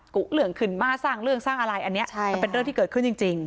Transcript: กุเหลืองขึนมาสร้างเรื่องสร้างอะไรอันเนี้ยใช่ค่ะเป็นเรื่องที่เกิดขึ้นจริงจริง